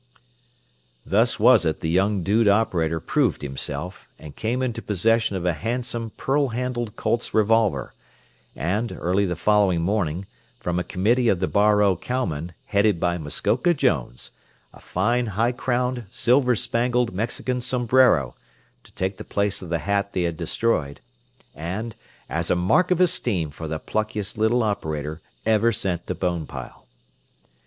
Thus was it the young "dude" operator proved himself, and came into possession of a handsome pearl handled Colt's revolver and, early the following morning, from a "committee" of the Bar O cowmen, headed by Muskoka Jones, a fine high crowned, silver spangled Mexican sombrero, to take the place of the hat they had destroyed, and "as a mark of esteem for the pluckiest little operator ever sent to Bonepile."